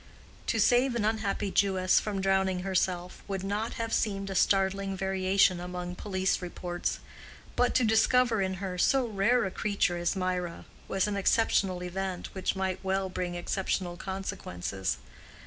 To save an unhappy Jewess from drowning herself, would not have seemed a startling variation among police reports; but to discover in her so rare a creature as Mirah, was an exceptional event which might well bring exceptional consequences.